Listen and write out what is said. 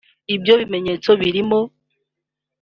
ibyo bimenyetso birimo